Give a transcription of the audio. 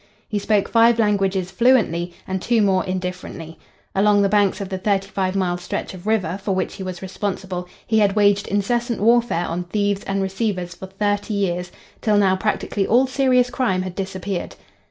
He spoke five languages fluently, and two more indifferently. Along the banks of the thirty five mile stretch of river for which he was responsible he had waged incessant warfare on thieves and receivers for thirty years, till now practically all serious crime had disappeared.